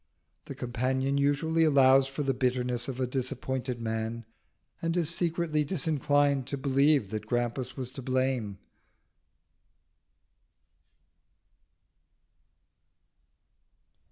The companion usually allows for the bitterness of a disappointed man, and is secretly disinclined to believe that Grampus was to blame.